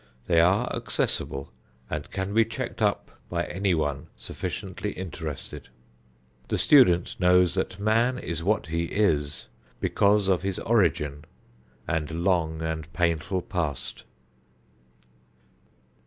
They are accessible and can be checked up by any one sufficiently interested. The student knows that man is what he is, because of his origin and long and painful past.